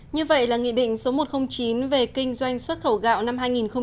như vậy là nghị định số một trăm linh chín về kinh doanh xuất khẩu gạo năm hai nghìn một mươi chín